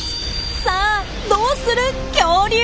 さあどうする恐竜？